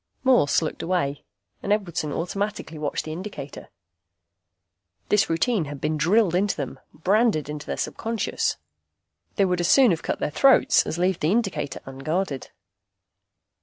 Morse looked away, and Edwardson automatically watched the indicator. This routine had been drilled into them, branded into their subconscious. They would as soon have cut their throats as leave the indicator unguarded.